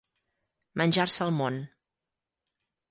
Menjar-se el món.